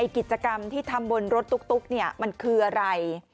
กิจกรรมที่ทำบนรถตุ๊กมันคืออะไร